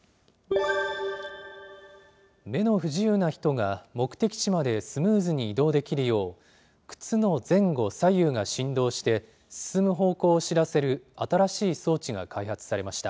目の不自由な人が、目的地までスムーズに移動できるよう、靴の前後、左右が振動して、進む方向を知らせる新しい装置が開発されました。